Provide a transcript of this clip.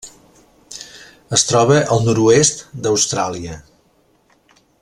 Es troba al nord-oest d'Austràlia.